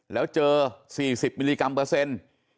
แล้วเจอ๔๐มิลลิกรัมเปอร์เซ็นต์